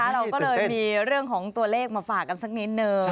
เราก็เลยมีเรื่องของตัวเลขมาฝากกันสักนิดนึง